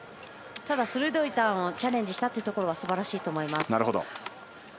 ただ、鋭いターンをチャレンジしたところはすばらしいと思います。